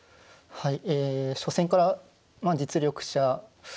はい。